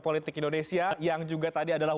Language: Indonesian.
politik indonesia yang juga tadi adalah